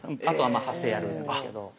あとはまあ発声やるんですけど。